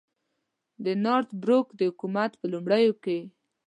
د نارت بروک د حکومت په لومړیو کې.